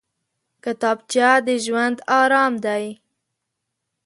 کتابچه د ژوند ارام دی